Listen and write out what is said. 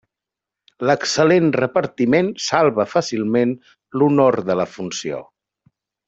L'excel·lent repartiment salva fàcilment l'honor de la funció.